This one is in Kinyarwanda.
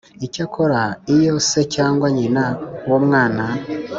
Icyakora iyo se cyangwa nyina w umwana